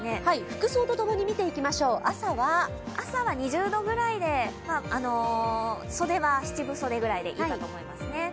服装とともに見ていきましょう朝は朝は２０度ぐらいで、袖は七分袖ぐらいでいいと思います。